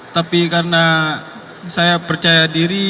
tapi karena saya percaya diri